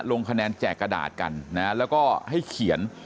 ลงคะแนนแจกกระดาษกันนะแล้วก็ให้เขียน